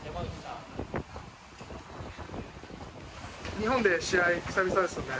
日本で試合久々ですよね。